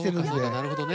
なるほどね。